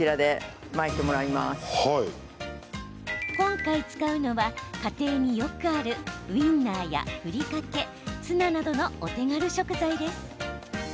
今回使うのは、家庭によくあるウインナーや、ふりかけツナなどのお手軽食材です。